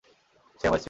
সে আমার স্ত্রী।